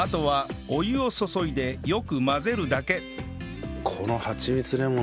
あとはこのはちみつレモン